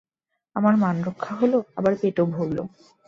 আমার মান রক্ষা হলো, আবার পেটও ভরল।